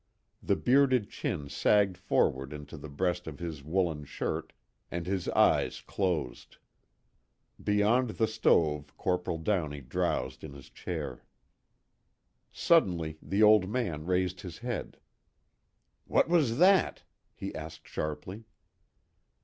The bearded chin sagged forward onto the breast of his woolen shirt and his eyes closed. Beyond the stove Corporal Downey drowsed in his chair. Suddenly the old man raised his head: "What was that?" he asked sharply.